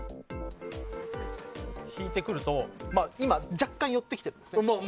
引いてくると今、若干寄ってきてるんです。